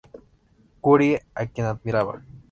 Curie, a quien admiraba.